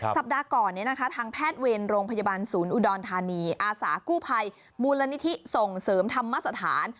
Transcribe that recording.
สัปดาห์ก่อนทางแพทย์เวรโรงพยาบาลศูนย์อุดรธานีอาสากู้ภัยมูลนิธิส่งเสริมธรรมสถาน